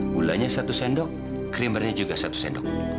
gulanya satu sendok krimernya juga satu sendok